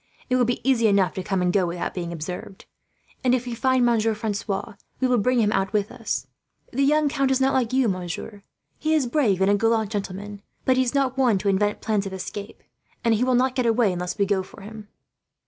It will be easy enough to come and go, without being observed; and if we find Monsieur Francois, we will bring him out with us. "The young count is not like you, monsieur. He is brave, and a gallant gentleman, but he is not one to invent plans of escape; and he will not get away, unless we go for him."